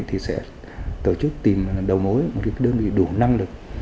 thì sẽ tổ chức tìm đầu mối một đơn vị đủ năng lực